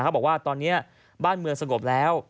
บอกว่าตอนนี้บ้านเมืองสงบแล้ว